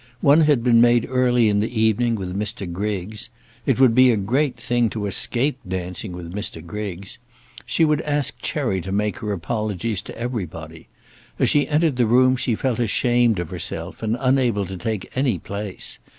One had been made early in the evening with Mr. Griggs. It would be a great thing to escape dancing with Mr. Griggs. She would ask Cherry to make her apologies to everybody. As she entered the room she felt ashamed of herself, and unable to take any place.